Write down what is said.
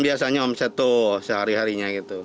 biasanya omset tuh sehari harinya gitu